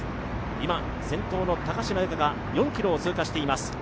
今、先頭の高島由香が４ｋｍを通過しています。